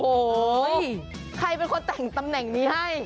โอ้โหใครเป็นคนแต่งตำแหน่งนี้ให้